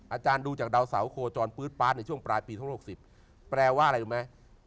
อาจารย์ดูจากดาวเสาโคจรปื๊ดปาร์ดในช่วงปลายปีทั้ง๖๐แปลว่าอะไรรู้ไหม